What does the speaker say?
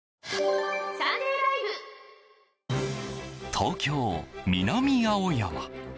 東京・南青山。